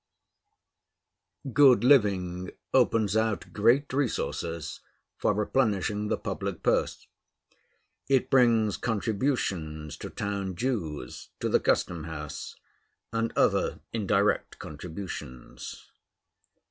Good living opens out great resources for replenishing the public purse: it brings contributions to town dues, to the custom house, and other indirect contributions.